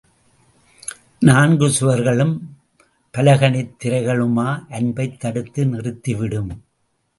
நான்கு சுவர்களும் பலகணித் திரைகளுமா அன்பைத் தடுத்து நிறுத்திவிடும்?